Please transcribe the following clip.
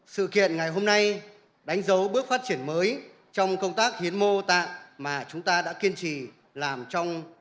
sự kiện ngày hôm nay đánh dấu bước phát triển mới trong công tác hiến mô tạng mà chúng ta đã kiên trì làm trong